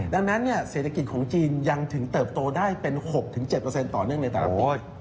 ดังนั้นเศรษฐกิจของจีนยังถึงเติบโตได้เป็น๖๗ต่อเนื่องในแต่ละปี